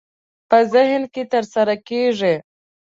په ذهن کې ترسره کېږي.